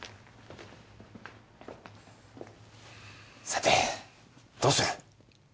さてどうする？